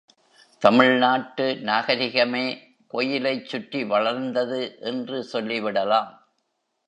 தமிழ் நாட்டு நாகரிகமே கோயிலைச் சுற்றி வளர்ந்தது என்று சொல்லிவிடலாம்.